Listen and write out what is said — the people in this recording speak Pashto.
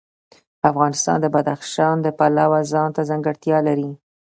افغانستان د بدخشان د پلوه ځانته ځانګړتیا لري.